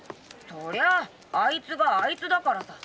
そりゃああいつがあいつだからさ。